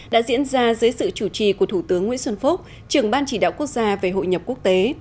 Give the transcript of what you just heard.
đã diễn ra dưới sự chủ trì của thủ tướng nguyễn xuân phúc trưởng ban chỉ đạo quốc gia về hội nhập quốc tế